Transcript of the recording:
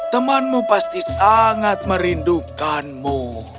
temanmu pasti sangat merindukanmu